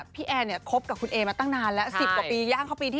พี่แอนเนี่ยคบกับคุณเอมาตั้งนานแล้ว๑๐กว่าปีย่างเข้าปีที่๒